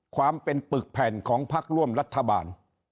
ความเป็นปึกแผ่นของพักร่วมรัฐบาล